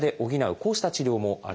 こうした治療もあるんです。